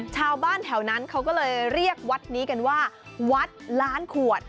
ชาวบ้านแถวนั้นเขาก็เลยเรียกวัดนี้กันว่าวัดล้านขวด